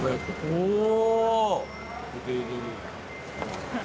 おお。